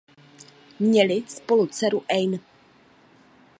Měli spolu dceru Anne.